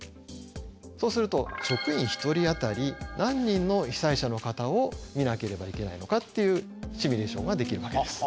そうすると職員１人当たり何人の被災者の方を見なければいけないのかっていうシミュレーションができるわけです。